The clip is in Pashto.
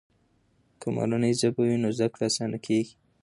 که مورنۍ ژبه وي نو زده کړه آسانه کیږي.